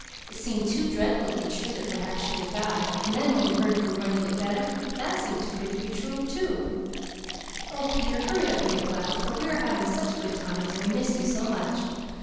It seemed too dreadful to be true that perhaps you would die. And then when we heard you were going to get better that seemed too good to be true. Oh, Peter, hurry up and get well, for we are having such good times and we miss you so much.